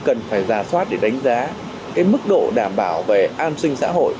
cần phải giả soát để đánh giá cái mức độ đảm bảo về an sinh xã hội